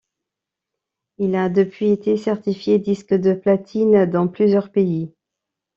Il a depuis été certifié disque de platine dans plusieurs pays.